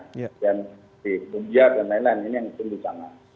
di india dan lain lain ini yang tumbuh sama